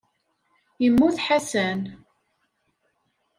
Immut Ḥasan.